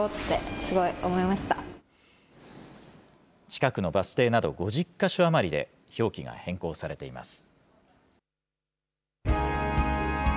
近くのバス停など５０か所余りで表記が変更されています。